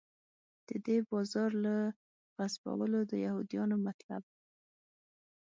د دې بازار له غصبولو د یهودانو مطلب.